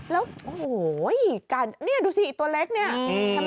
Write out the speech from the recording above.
แล้วโหนี่ดูสิตัวเล็กนี่ค่ะ